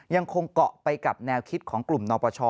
ยังคงเกาะไปกับแนวคิดของกลุ่มนปช